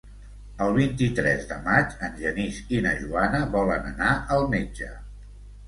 El vint-i-tres de maig en Genís i na Joana volen anar al metge.